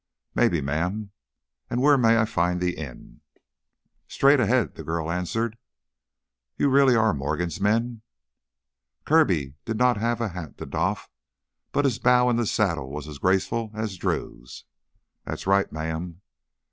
"Maybe, ma'am. And where may I find the inn?" "Straight ahead," the girl answered. "You really are Morgan's men?" Kirby did not have a hat to doff, but his bow in the saddle was as graceful as Drew's. "That's right, ma'am.